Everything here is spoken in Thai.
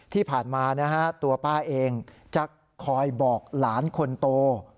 ที่ผ่านมานะฮะตัวป้าเองจะคอยบอกหลานคนโต